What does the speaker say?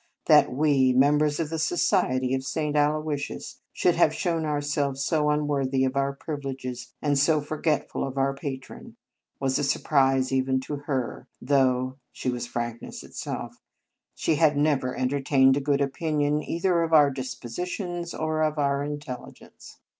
That we, members of the Society of St. Aloysius, should have shown ourselves so unworthy of our privileges, and so forgetful of our patron, was a surprise even to her; though (she was frankness itself) she had never entertained a good opinion either of our dispositions or of our in telligence.